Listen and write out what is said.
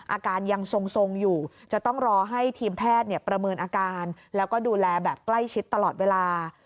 อาการยังทรงอยู่จะต้องรอให้ทีมแพทย์ประเมินอาการแล้วก็ดูแลแบบใกล้ชิดตลอดเวลา